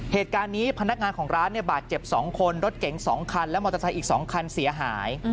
เหตุการณ์นี้พนักงานของร้านบาดเจ็บ๒คนรถเก๋ง๒คันและมอเตอร์ไซค์อีก๒คันเสียหาย